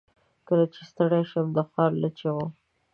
کله چې ستړی شم، دښارله چیغو